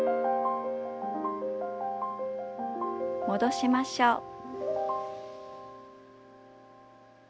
戻しましょう。